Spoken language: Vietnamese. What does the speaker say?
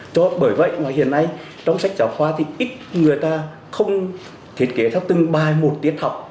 cho bởi vậy mà hiện nay trong sách giáo khoa thì ít người ta không thiết kế theo từng bài một tiết học